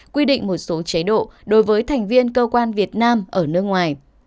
quy định một số chế độ đối với thành viên cơ quan việt nam ở nước ngoài